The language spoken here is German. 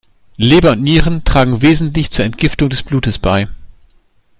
Leber und Nieren tragen wesentlich zur Entgiftung des Blutes bei.